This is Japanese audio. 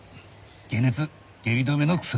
解熱・下痢止めの薬。